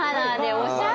おしゃれ！